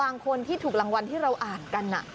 บางคนที่ถูกรางวัลที่เราอ่านกัน